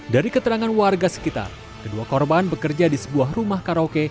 dari keterangan warga sekitar kedua korban bekerja di sebuah rumah karaoke